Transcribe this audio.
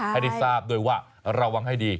ให้ได้ทราบด้วยว่าระวังให้ดี